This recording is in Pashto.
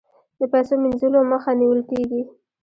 د پیسو مینځلو مخه نیول کیږي